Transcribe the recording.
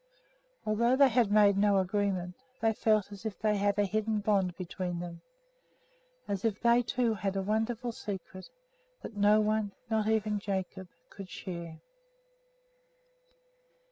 Although they had made no agreement, they felt as if they had a hidden bond between them as if they two had a wonderful secret that no one, not even Jacob, could share.